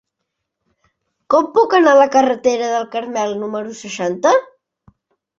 Com puc anar a la carretera del Carmel número seixanta?